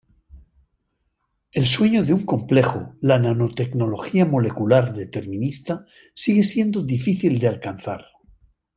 El sueño de un complejo, la nanotecnología molecular determinista sigue siendo difícil de alcanzar.